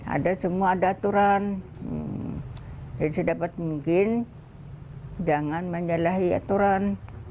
ada semua ada aturan jadi saya dapat mungkin jangan menyalahi aturan